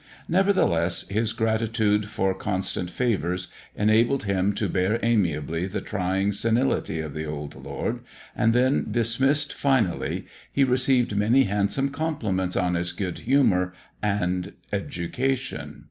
Nevertheless, his grati tude for constant favours enabled him to bear amiably the trying senility of the old lord, and when dismissed finally, he received many handsome compliments on his good humour and education.